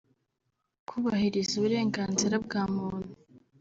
kubahiriza uburenganzira bwa muntu